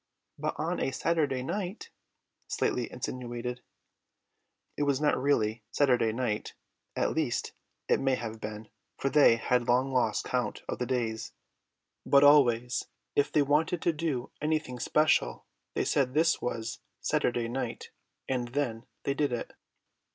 "But on a Saturday night," Slightly insinuated. It was not really Saturday night, at least it may have been, for they had long lost count of the days; but always if they wanted to do anything special they said this was Saturday night, and then they did it.